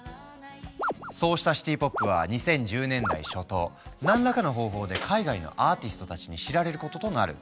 そうしたシティ・ポップは２０１０年代初頭何らかの方法で海外のアーティストたちに知られることとなる。